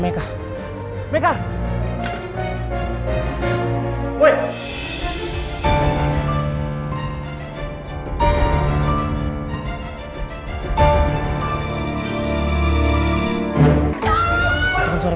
mereka menanggung kekuasaan kita